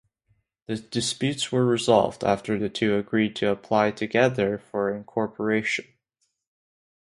The disputes were resolved after the two agreed to apply together for incorporation.